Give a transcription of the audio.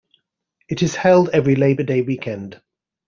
It is held every Labor Day weekend.